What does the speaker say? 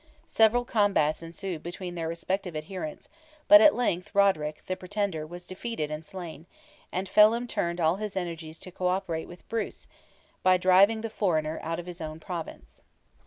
Several combats ensued between their respective adherents, but at length Roderick, the pretender, was defeated and slain, and Felim turned all his energies to co operate with Bruce, by driving the foreigner out of his own province.